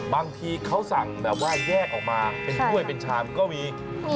บางทีเขาสั่งแบบว่าแยกออกมาเป็นถ้วยเป็นชามก็มี